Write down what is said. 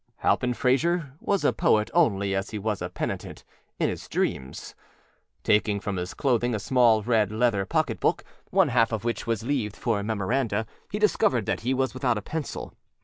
â Halpin Frayser was a poet only as he was a penitent: in his dream. Taking from his clothing a small red leather pocketbook, one half of which was leaved for memoranda, he discovered that he was without a pencil.